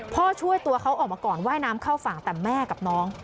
ช่วยตัวเขาออกมาก่อนว่ายน้ำเข้าฝั่งแต่แม่กับน้อง